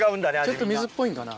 ちょっと水っぽいんかな。